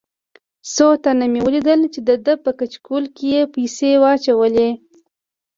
څو تنه مې ولیدل چې دده په کچکول کې یې پیسې واچولې.